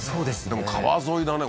でも川沿いだね